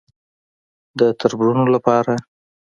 _د تربرونو له پاره.